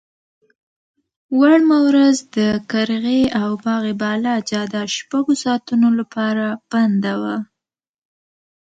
وړمه ورځ د قرغې او باغ بالا جاده شپږو ساعتونو لپاره بنده وه.